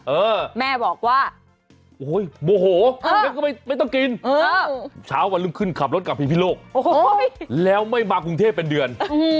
เออแม่บอกว่าโอ้โหโมโหแล้วก็ไม่ต้องกินเช้าวันรุ่งขึ้นขับรถกลับพิโลกแล้วไม่มากรุงเทพเป็นเดือน